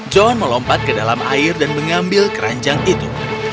john melompat ke dalam air dan mengambil keranjang itu